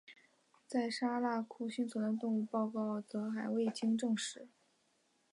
在砂拉越幸存的动物报告则还未经证实。